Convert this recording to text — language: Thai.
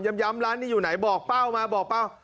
ย้ำร้านนี้อยู่ไหนบอกเป้ามาบอกเป้า